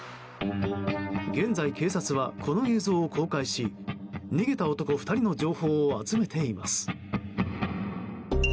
現在、警察はこの映像を公開し逃げた男２人の情報を集めています。